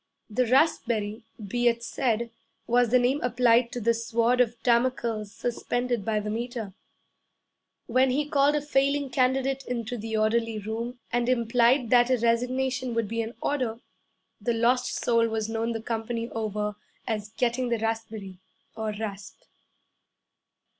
The 'raspberry,' be it said, was the name applied to the Sword of Damocles suspended by the Meter. When he called a failing candidate into the orderly room and implied that a resignation would be in order, that lost soul was known the company over as 'getting the raspberry,' or 'rasp.'